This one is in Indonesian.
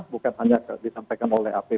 bukan hanya disampaikan oleh apb